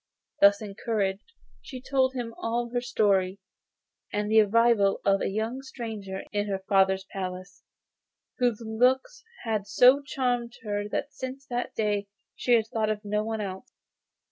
Thus encouraged, she told him all her story, and of the arrival of a young stranger in her father's palace, whose looks had so charmed her that since that day she had thought of no one else.